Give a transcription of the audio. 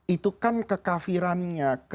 itu kan kekafirannya